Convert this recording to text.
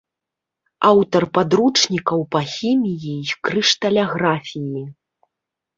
Аўтар падручнікаў па хіміі і крышталяграфіі.